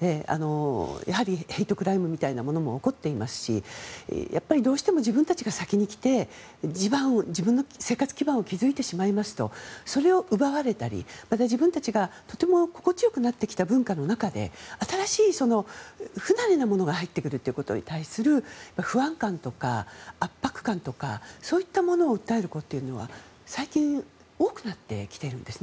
やはりヘイトクライムみたいなものも起きていますしやっぱり、どうしても自分たちが先に来て自分の生活基盤を築いてしまいますとそれを奪われたり自分たちが、とても心地良くなってきた文化の中で新しい不慣れなものが入ってくることに対する不安感とか圧迫感とかそういったものを訴える声というのは最近、多くなってきています。